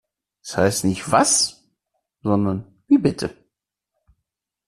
Es heißt nicht “Was“ sondern “Wie bitte“